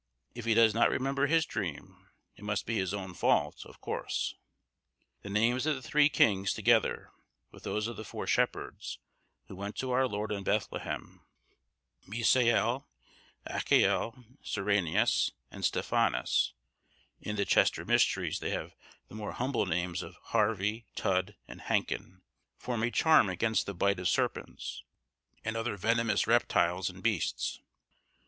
If he does not remember his dream, it must be his own fault, of course. The names of the Three Kings, together with those of the four shepherds, who went to our Lord in Bethlehem—Misael, Achael, Cyrianus, and Stephanus—(in the Chester mysteries they have the more humble names of Harvey, Tudd, and Hancken), form a charm against the bite of serpents, and other venomous reptiles and beasts.